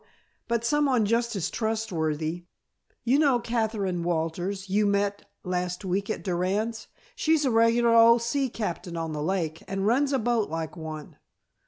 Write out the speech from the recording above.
But someone just as trustworthy. You know Katherine Walters you met last week at Durand's? She's a regular old sea captain on the lake, and runs a boat like one."